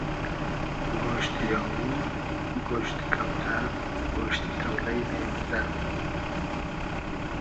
گۉشتی آوو, گۉشتی کۆتئر, گۉشتی تۆلݷ بې مئزۂ